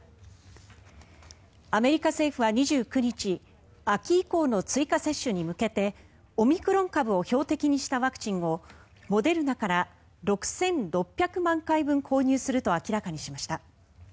アメリカ政府は２９日秋以降の追加接種に向けてオミクロン株を標的にしたワクチンをモデルナから６６００万回分購入すると明らかにしました。